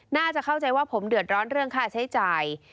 น่าจะเข้าใจว่าผมเดือดร้อนเรื่องค่าใช้จ่าย